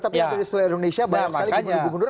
tapi di seluruh indonesia banyak sekali